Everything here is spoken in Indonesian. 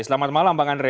selamat malam bang andre